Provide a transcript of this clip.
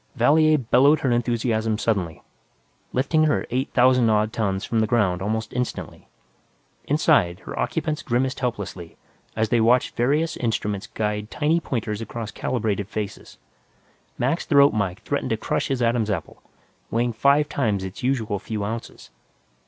Valier bellowed her enthusiasm suddenly, lifting her eight thousand odd tons from the ground almost instantly. Inside, her occupants grimaced helplessly as they watched various instruments guide tiny pointers across calibrated faces. Mac's throat mike threatened to crush his Adam's apple, weighing five times its usual few ounces.